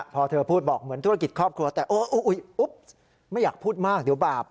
พอเธอพูดบอกเหมือนธุรกิจครอบครัวแต่อุ๊บไม่อยากพูดมากเดี๋ยวบาป